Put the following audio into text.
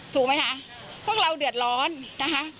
เกิดว่าจะต้องมาตั้งโรงพยาบาลสนามตรงนี้